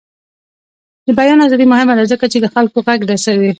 د بیان ازادي مهمه ده ځکه چې د خلکو غږ رسوي.